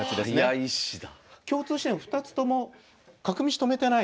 共通してるのは２つとも角道止めてないですね。